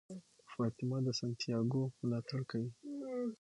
فاطمه د سانتیاګو ملاتړ کوي.